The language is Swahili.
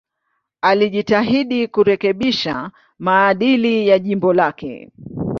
Alijitahidi kurekebisha maadili ya jimbo lake.